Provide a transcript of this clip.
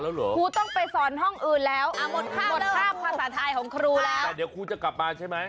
เออสนุกสนานแบบนี้